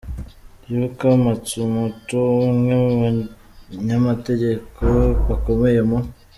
Yuko Matsumoto, umwe mu banyamategeko bakomeye mu.